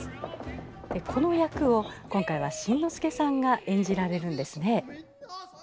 この役を今回は新之助さんが演じられるんですね。